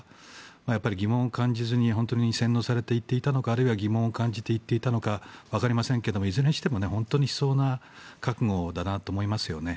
やっぱり疑問を感じずに洗脳されていたのかあるいは疑問を感じて行っていたのかわかりませんがいずれにしても本当に悲壮な覚悟だなと思いますよね。